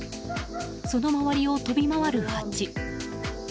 その周りを飛び回るハチ。